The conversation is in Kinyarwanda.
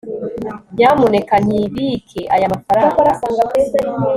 nyamuneka nyibike aya mafaranga